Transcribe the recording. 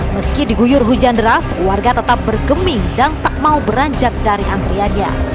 meski diguyur hujan deras warga tetap bergeming dan tak mau beranjak dari antriannya